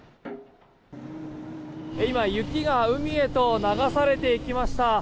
今、雪が海へと流されていきました。